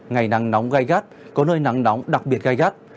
ngày nắng nóng gai gắt có nơi nắng nóng đặc biệt gai gắt